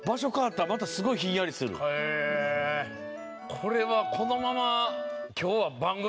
これはこのまま。